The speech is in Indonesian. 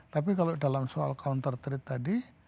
tapi kalau dalam soal counter trade tadi